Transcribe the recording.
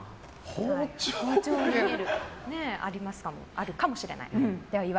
あるかもしれない。